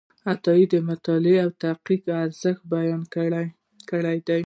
عطایي د مطالعې او تحقیق ارزښت بیان کړی دی.